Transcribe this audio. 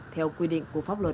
theo quy định của pháp luật